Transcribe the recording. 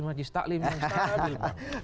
maji stalin yang setara